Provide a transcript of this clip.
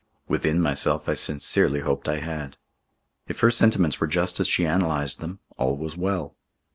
Within myself I sincerely hoped I had. If her sentiments were just as she analysed them, all was well.